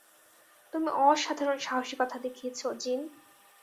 তুমি অসাধারণ সাহসিকতা দেখিয়েছো, জিন।